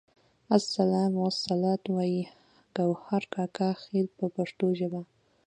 السلام والصلوات وایي ګوهر کاکا خیل په پښتو ژبه.